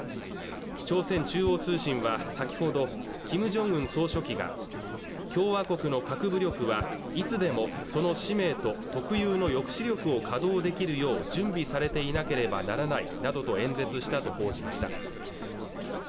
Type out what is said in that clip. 朝鮮中央通信は先ほどキム・ジョンウン総書記が共和国の核武力はいつでもその使命と特有の抑止力を稼働できるよう準備されていなければならないなどと演説したと報じました